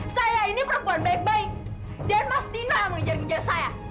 sampai jumpa di video selanjutnya